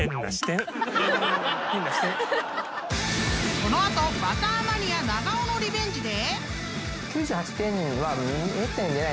［この後バターマニア長尾のリベンジで］